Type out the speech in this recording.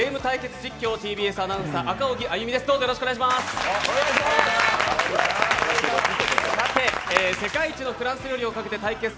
実況、ＴＢＳアナウンサー・赤荻歩です